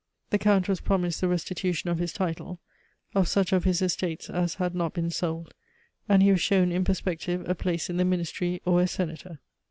The Count was promised the restitution of his title, of such of his estates as had not been sold, and he was shown in perspective a place in the ministry or as senator.